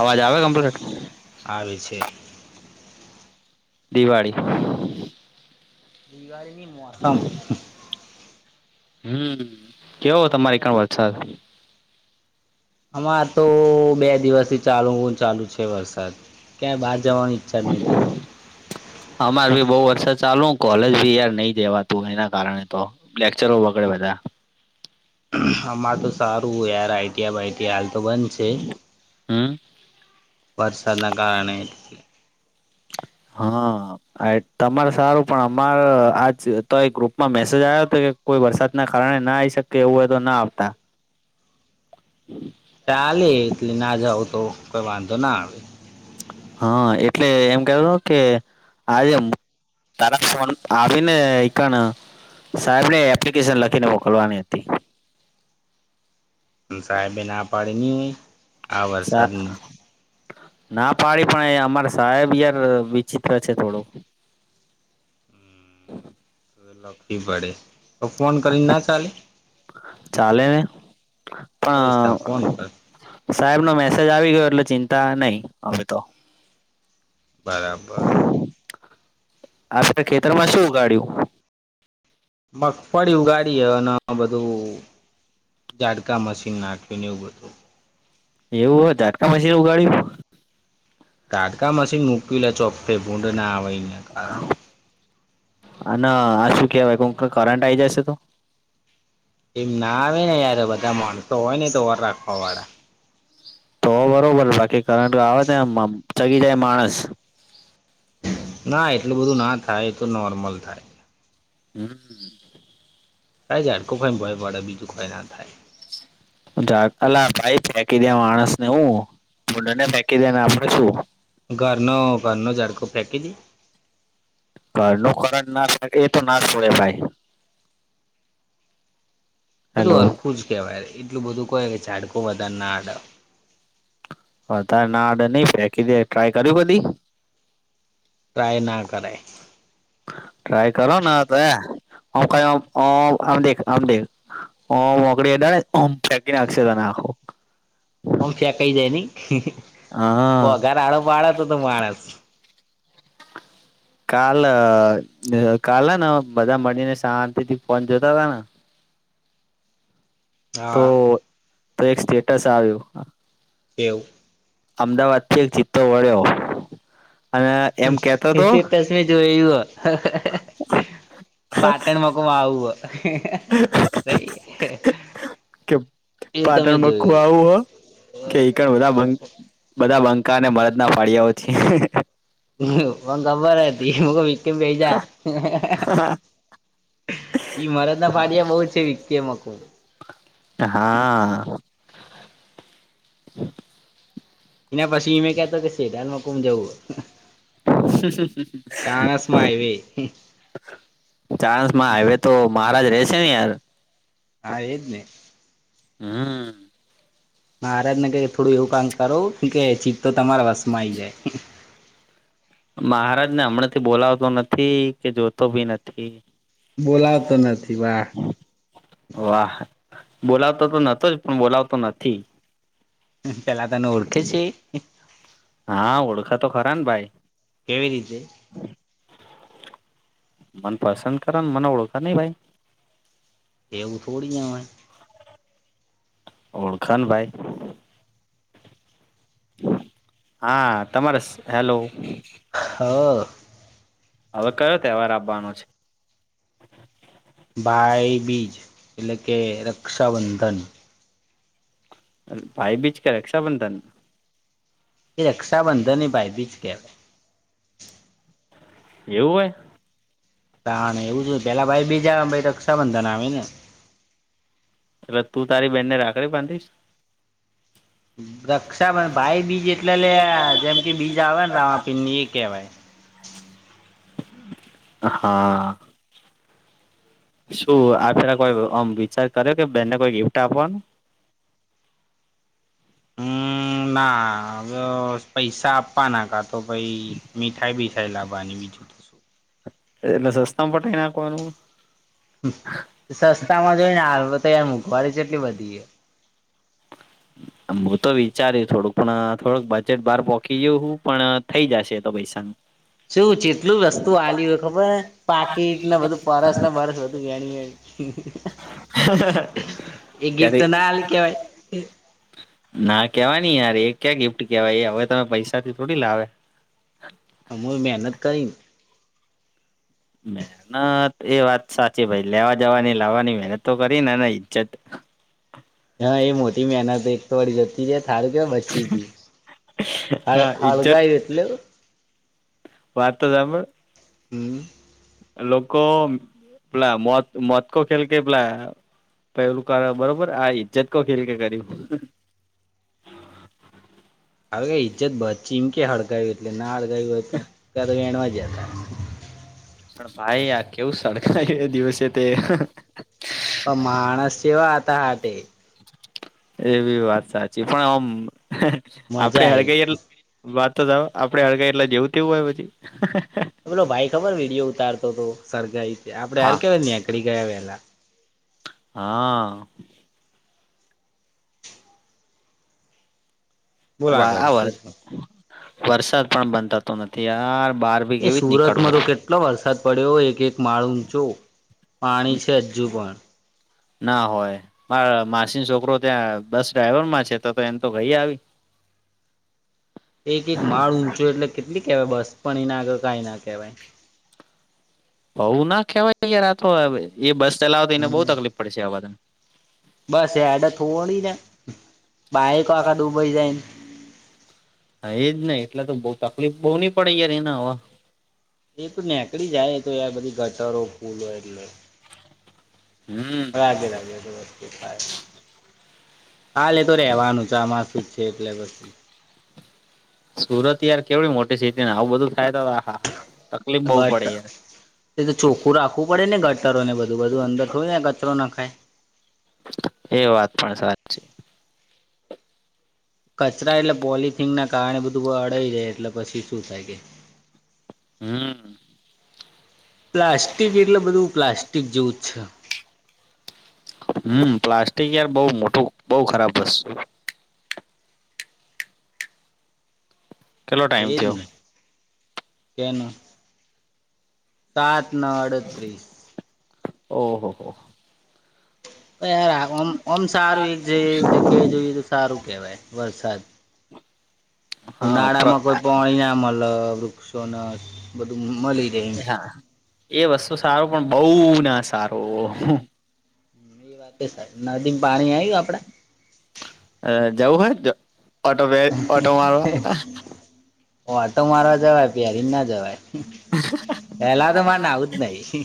અવાજ આવે કમ્પ્લીટ આવે છે દિવાળી દવાળીની મોસમ હમ કેવો તમારી કન વરસાદ હમા તો બે દિવસથી ચાલુ ચાલુ છે વરસાદ ક્યાં બહાર જવાની ઈચ્છા જ નહીં [inaudible] [inaudible] અમાર ભી બહુ વર્ષ ચાલુ કોલેજ ભી યાર નઈ જેવાતું એના કારણે તો લેક્ચરો બગડે બધા આમાં તો સારું યાર I T I by T I હાલ તો બંધ છે હમ વરસાદના કારણ હા તમારે સારું પણ અમારે આજ તો એક ગ્રુપમાં મેસેજ આવ્યો હતો કે કોઈ વરસાદ ના કારણે ના આવી શકે એવું હોય તો ના આવતા [inaudible] ચાલે એટલે ના જાવ તો કોઈ વાંધો ના આવે હા એટલે એમ કેવાય ને કે આજે તરા ફોન આવીને ઈકાના સાહેબ ને એપ્લિકેશન લખીને મોકલવાની હતી. અ સાહેબે ના પાડી ની આ સા વરસાદમાં ના પાડી પણ અમારે સાહેબ યાર વિચિત્ર છે થોડુ તો એ લખી પડે તો ફોન કરી ના ચાલે ચાલે ને તો બસતા પણ ફોન કર સાહેબ નો મેસેજ આવી ગયો એટલે ચિંતા નહી હવે તો બરાબર આપરે ખેતરમાં શું ઉગાડ્યુ મગફળી ઉગાડી હ અને આ બધું ઝાડકા મશીન નાખ્યું ને એવુ બધુ એવું હોય જાટકા મશીન ઉગાડ્યુ તાટકા મશીન મૂકી લ ચોખ્ફે ભૂંડ ના આવેને કારણે ના આ શું કેહેવાય કો કરંટ આ આવી જશે તો એમ ના આવે ને યાર બધા માણસો હોય નને તો વર રાખવા વાળા તો બરોબર બાકી કરંટ આવે ને ચગ જાય માણસ ના એટલું બધું ના થાય એ તો નોર્મલ થાય. હમ્મ જાડકો ખાઈ ભય પડે બીજું કોઈ ના થાય. અલા ભાઈ ફેકી દે માણસ ને હું ભૂંડને ફેંકી દે ને આપડે શુ ઘરનો ઘરનો ઝાટકો ફેકી દે ઘરનો કરંત લાગે એ તો ના છોડે ભાઈ બધું હેલો અરખું જ કહેવાય એટલું બધું કહે કે ઝાડકો વધારે ના અડ વધાર ના અડે નહી ફેંકી દે ટ્રાય કર્યું કદી ટ્રાય ના કરાય ટ્રાય કરો ને તો એ આમ કરી આમ દેખ આમદે. ઓ મોકડી અડાડે ને ઓમ ફેંકી નાખશે તને આખો આમ ફેકાઈ જાય નહી હા વઘાર આડો પાળો તો તો માણસ કાલ કાલ હ ને બધા મળીને શાંતિ થી પહોચ જતા હતા ને તો હા તો એક સ્ટેટસ આયુ કેવુ અમદાવાદ થી એક ચિત્તો વળ્યો અને એમ કેતો તો એ જોયુ હ પાટણમાં કોમાં આવું હ નઈ કેમ એ તમે પાટણમાં મૂકવા જોયું આવું હ કે બધા બધા બન્ક બંકાને મરદના ફાળિયાઓ છે. પણ ખબર હતી મેં ક યુ વકીમ બે જા ઈ મરદ ના ફડિયામાં બઉુ છે વિકી મ કવુ હા એના પછી મે કેતો કે શેટાનમાંકમ જવુ ચણસમાં એવે ચાણન્સ માં હવે તો મહારાજ રહેશે ને યાર હા એદને હમ્મ મહારાજ ને ક થોડું એવું કામ કરવુ, કે ચિતો તમારા વસમાં આઈ જાય. મહારાજને હમણાંથી બોલાવતો નથી કે જોતો ભી નથી. બોલાતો નથી વાહ વાહ બોલાવતો તો નતો જ પણ બોલાવતો નથી. પેલા તને ઓળખે છે હા ઓળખા તો ખરા ને ભાઈ કેવી રીતે મન પસંદ કર મને ઓળખે નહી ભાઈ એેવું થોડી ના હોયે ઓળખણ ભાઈ હા તમારે હેલો હા હવે કયો તહેવાર આપવાનો છે ભાઈ બીજ એટલે કે રક્ષાબંધન ભાઈ બીચ ક રક્ષાબંધન એ રક્ષાબંધન ને બાજ બીજ કેહેવાય એવું હોય ત એવું જો પેલા ભાઈ બીજ પછ રક્ષાબંધન આવે ને એટલે તું તારી બેન ને રાખડી બાંધીશ રક્ષાબંધ ભાઈ બીજ એટલે જેમ કે બીજ આવે ને રામાપીર ની એ કેહેવાય હા શું આપેલા કોઈ આમ વિચાર કર્યો કે બેનને કોઈ ગિફ્ટ આપવાનું હમ્મ ના હવે પૈસા આપવા ના કા તો પાઈ મીઠાઈ બી થૈલાબાની વિધધ એ સસ્તા પ પોટે એના આખવાનું. સસ્તા માં જોઈને હાલ તો યાર મંઘવારી જેટલી બધી છે હું તો વિચાર્યું થોડુંક પણ થોડુંક બજેટ બહાર પોહકી ગયું હું પણ થઇ જશે એ તો પૈસા [inaudible] શું જેટલું વસ્તુ આલી હોય ખબર પાકીને બધું પરસ બરસ બધું ગણી ગ એ ગિફ્ટ ક્યારે તો ના આલી કેવાય ના કેવાય ન યાર એ ક્યાં ગિફ્ટ કેહેવાય હવે તમે પૈસાથી થોડી લાવે હ હું મહેનત કરીક મહેનત એ વાત સાચી ભાઈ લેવા જવાની લાવવાની મહેનત તો કરીને ઇજ્જત હા એ મોટી મહેનત એક તો વાળી જતી જાય થારું કેવાછ જી જ હ ના ઈજ્જત હાલગા એટલ વાતા તમે હમ્મ લોકોક પેલા મ મત્કો ખેલ કે પેલા પેલું કારણ બરોબર આ ઈજ્જત ક ખ કે કરી હવે ઈજ્જત બત ચીમકે હડકાવ એટલે ના હડકાવ હોય તો ત્યારે વેણવા જતા પણ ભાઈ આ કેવું સરળગાય્યું દિવસે તે માણસવા આતા હ તે એવી વાત સાચી પણ આમ મજા આપડે આઈ હળગઈ વાત તો સા આપડે હળગ એટલે જેવું તેવું હોય પછી બોલો ભાઈ ખબર વિડીયો ઉતારતો તો સરગાઈ આપડે હા હાર કેવાય આકળી ગયા પેહલા હા બોલ આગળ શું છે? વરસાદ પણ બનતાતો નથી યાર બાર એ સુરતમાં તો કે કેટલો વરસાદ પડ્યો એક એક માળ ઊંચો પાણી છે હજુ પણ ના હોય મા માસી છોકરો ત્યાં બસ ડ્રાઈવર માં છે તો તો એમ તો ભઈ આવી એક એક માળ ઊંચો એટલે કેટલી કેહેવાય બસ પણ એના આગળ કઈ ના કહેવાય બઉુ ના કહેવાય યાર આ તો એ બસ ચલાવ તો એને બહુ તકલીફ પડશે આવાને બસ એડ થોડી જ બાાયક આખા ડૂબી જાય હા એજ નહી એટલે તો બઉુ તકલીફ બહુ નની પડે યાર એને હવે એ તો નેકળી જાય તો એ બધી ગટરો ફૂલો એટલે હમ્મ. હાલે તો રેવાનું છે આમાં શું? [unintelligible] સુરત યાર કેવડી મોટી સ્થિ ને આવું બધું થાય તો હા. [unintelligible] એ તો ચોખ્ખું રાખવું પડ ને ગટરોનેધુંધુંંદર થોયું ને ગતરો નાખાય. એ વાત પણ સાચી કચરા એટલે પોલથીન ના કારણે બધું અડઈ જાય એટલે પછી શું થાય કે હમ્મ. પ્લાસ્ટિક એટલે બધું પ્લાસ્ટિક જેવું જ છે. હમ્મ પ્લાસ્ટિક યાર બહ મોટું બહ ખરાબ વસ્તું કેટલો ટાઈમ એજ થયો ને તેમને. સાત ન અડત્રીસ. ઓ હો હો. યારમમ સારું એક એક જગ્યાએ જોઈએ તો સારું કેહેવાય વરસાદ. હા ઉનાળા માં કોઈ પાણી ના મળ વૃક્ષો ન બધું મલી રેય. હા એ વસ્તુ સારું પણ બહુ ના સારું. એ વા નદી પાણી આવ્યું આપડે? જવું હોય ઓટો ઓટો માળવા ઓ વાટો માર જવાય પ્યારીને ના જવાય. પેલા તો મનેને આવુંજ નહી.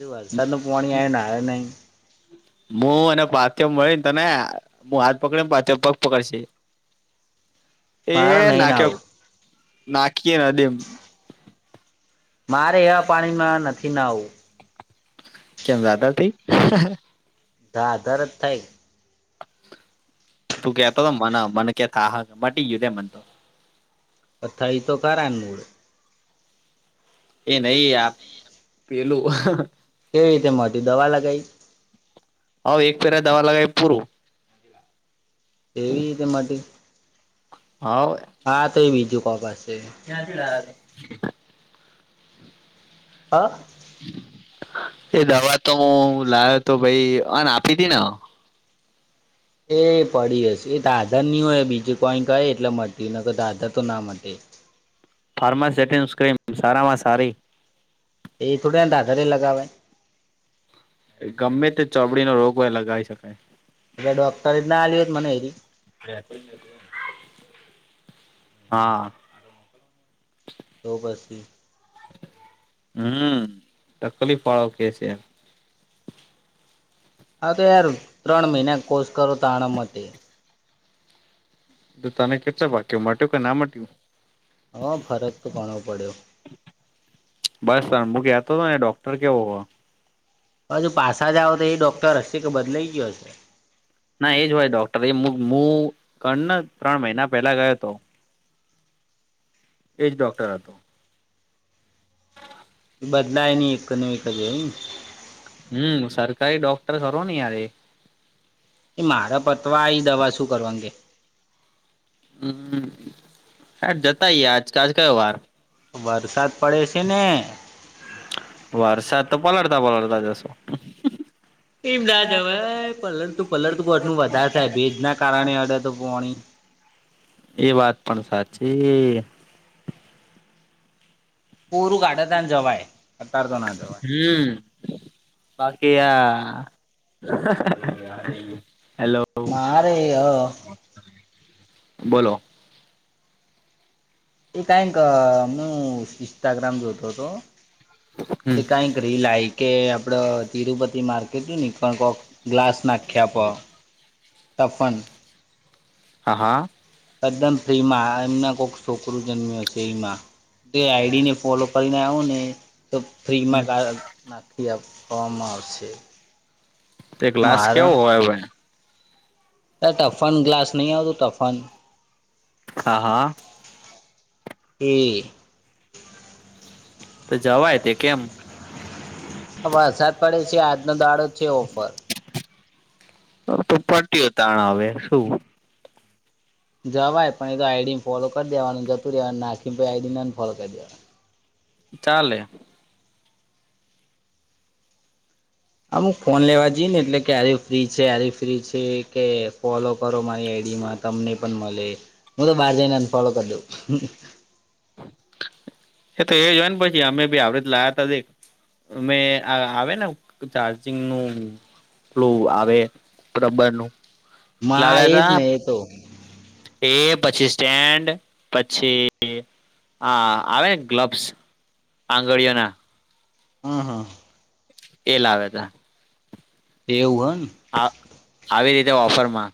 એ વલસાડનું પાણી આવેને આવે નહીં? હું અને પાથ મળીને તને હું હાથ પકડીને પાથ પગ પકડશે. [inaudible] એ. નહી નાવું. [unintelligible] મારે આ પાણીમાં નથી ના આવવું. કેમ જદ થથી. તો આધાર જ થાય. તું કેતો તો મને મન કેતા હા મટી યુધે મનતો. ક થાઈ તો કરન મૂળ. એ નહ આપ પેલું કેવી રીતે મોટી દવા લગાવી હ એક ફેરા દવા લગાવે પૂરું. એવી તે માટી હાવ. હા તો એ બીજું કો પાસે. [inaudible] હા. એ દવા તો હું લાવ્યો હતો ભાઈ આ આપી હતી ને એ પડી હશે એ દાધર નની હોય બીજું કોઈ કહે એટલે મટી ન દાધર તો ના માટે. ફારમા સટન્સ ક્રીમ સારામાં સારી એ થોડા ધારે લગાવવા ગમે તે ચમડીના રોગ હો એ લગાવી શકાય. એટ ડોક્ટર એના આલી હોત મને એેરી. હા. તો પસી. હમ્મ તકલીફ વાળો કે છે. હા તો યાર ત્રણ મહિના કોષ કરો તો આણતે. તો તને કેટલા વાક્યો મટ્યો કે ના મટ્યું. હ ફરક તો ઘણો પડ્યો. બસ તમું ગતો હતો ડોક્ટર કેવો હજુ પાછસા જાઓ તો એ ડોક્ટર હશે કે બદલાઈ ગયો હશે. ના એજ હોય ડોક્ટર એ હું હું કણ ત્રણ મહિના પહેલા ગયો હતો. એ જ ડોક્ટર હતો. બદલાય નઈ એક નવી [unintelligible] હમ્મ સરકારી ડોક્ટર કરો ને યાર એ. એ મારા પતવાઈ દવા શું કરવાગે. હમ્મ આ જતા ઈ આજકાલ કયો વાર. બરસાત પડે છે ને વરસાદ તો પલળતા પલળતા જસો. એમ ના જવાય પલર તું પલર ત બટું વધારે થાય ભેજ ના કારણે અડે તો પોણી એ વાત પણ સાચી. પૂરું કાડતા જવાય અત્યાર તો ના જવાય. હમ્મ. બાકી આ [unintelligible] હેલો. મારે હ [unintelligible] બોલો. એ કઈક આમનું ઇન્સ્ટાગ્રામ જોતો હતો તો તે હમ કઈક રીલા આઈ કે આપડ તિરુપતિ માર્કેટ ની [unintelligible] કોક ગ્લાસ નાખ્યા આપો. [unintelligible] હા હા. એકદમ ફ્રી માં એમના કોક છોકરું જન્મ્યો હશે એમાં. તે આઈડી ને ફોલો કરીને આવો ને તો ફ્રીમાં [unintelligible] તે આપવામાં આવશે. તે ગ્લાસ મારે કેવો હોય ભાઈ. તા ટફન ગ્લાસ નહીં આવ તો ટફન. હા હા. એ તો જવાય તે કેમ વરસાદ પડે છે આજનો દાડો છે ઓફર. તો પટ્યો તાણ હવે શું. જવાય પણ એ તો આઈડીને ફોલો કરી દેવાનું જતું રહેેવાનું નાખીને આઈડીને ફોલો કરી દેવાનું. ચાલે. આમુક ફોન લેવા જઈએ ને એટલે કે આરી ફ્રી છે એરી ફ્રી છે કે ફોલો કરો મારી આઈડીમાં તમને પણ મળે હું તો બહાર જઈને અનફોલો કરી દઉં હામ હામ. [inaudible] એ તો એ જય ને પછી અમે બી આવડ લાયા ત [unintelligible] અમે આ આવે ને ચાર્જિંગ નું કેટલું આવે રબર નું માં લાવ્યા એ જ તા ને એ તો. એ પછી સ્ટેન્ડ પછી હા આવે ગ્લબ્સ આંગળીઓ ના. હા હા. એ લાવે ત. એવું હા. આ આવી રીતે ઓફર માં.